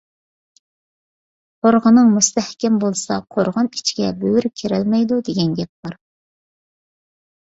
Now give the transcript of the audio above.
«قورغىنىڭ مۇستەھكەم بولسا، قورغان ئىچىگە بۆرە كىرەلمەيدۇ» دېگەن گەپ بار.